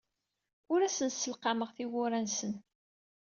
Ur asen-sselqameɣ tiwwura-nsen.